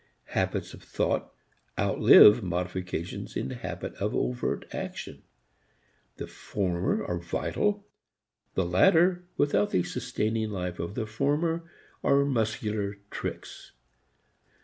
Habits of thought outlive modifications in habits of overt action. The former are vital, the latter, without the sustaining life of the former, are muscular tricks.